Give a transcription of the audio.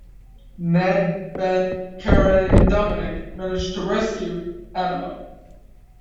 Ned, Ben, Karay, and Dominic manage to rescue Adamo.